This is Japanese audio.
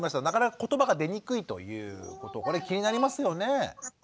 なかなかことばが出にくいということこれ気になりますよね？